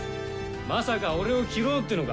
まさか俺を斬ろうっていうのか？